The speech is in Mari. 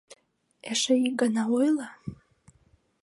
— Эше ик гана ойло...